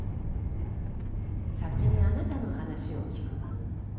先にあなたの話を聞くわ。